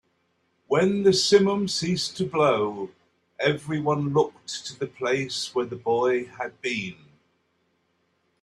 When the simum ceased to blow, everyone looked to the place where the boy had been.